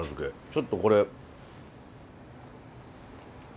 ちょっとこれ。